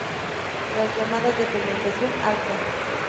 Las llamadas de fermentación 'alta'.